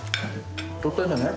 撮ったんじゃない？